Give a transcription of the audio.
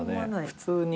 普通に。